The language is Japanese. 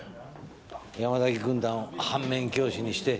山崎軍団を反面教師にして。